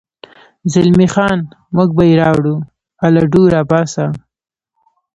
زلمی خان: موږ به یې راوړو، الډو، را پاڅه.